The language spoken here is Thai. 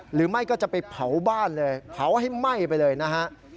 หรือไม่ก็จะไปเผาบ้านเลยเผาให้ไหม้ไปเลยนะฮะ